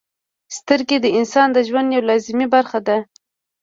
• سترګې د انسان د ژوند یوه لازمي برخه ده.